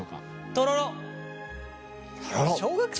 とろろ！